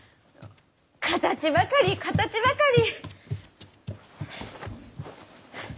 形ばかり形ばかり！